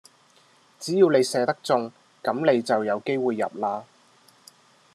只要你射得中,咁你就有機會入啦